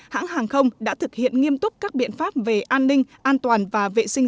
hãng hàng không đã thực hiện nghiêm túc các biện pháp về an ninh an toàn và vệ sinh